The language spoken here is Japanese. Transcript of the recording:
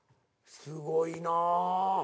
すごいなぁ。